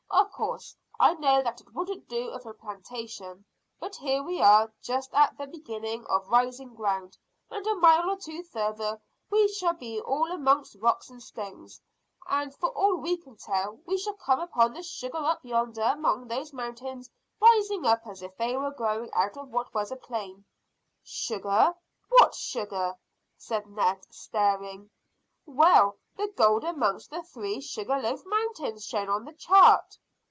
Of course I know that it wouldn't do for a plantation, but here we are, just at the beginning of rising ground, and a mile or two further we shall be all amongst rocks and stones, and, for all we can tell, we shall come upon the sugar up yonder among those mountains rising up as if they were growing out of what was a plain." "Sugar? What sugar?" said Ned, staring. "Well, the gold amongst the three sugar loaf mountains shown on the chart."